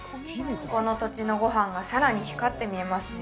ここの土地のごはんがさらに光って見えますね